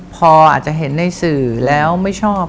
พออาจจะเห็นในสื่อแล้วไม่ชอบ